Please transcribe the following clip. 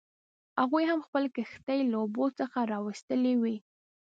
هغوی هم خپلې کښتۍ له اوبو څخه راویستلې وې.